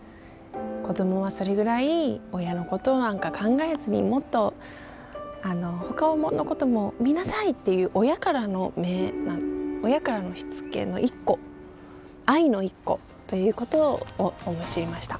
「子どもはそれぐらい親の事なんか考えずにもっとほかの事も見なさい」っていう親からの親からのしつけの一個愛の一個という事を思い知りました。